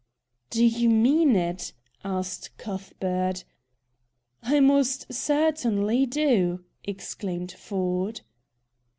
"Do you mean it?" asked Cuthbert. "I most certainly do!" exclaimed Ford.